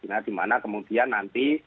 nah dimana kemudian nanti